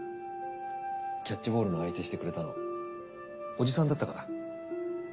キャッチボールの相手してくれたの叔父さんだったから。